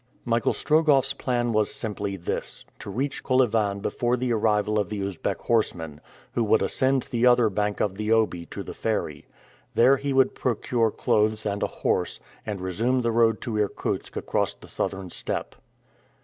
Michael Strogoff's plan was simply this to reach Kolyvan before the arrival of the Usbeck horsemen, who would ascend the other bank of the Obi to the ferry. There he would procure clothes and a horse, and resume the road to Irkutsk across the southern steppe.